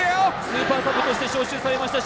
スーパーサブとして招集されました